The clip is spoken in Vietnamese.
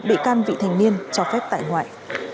một bị can vị thành niên cho phép tại ngoại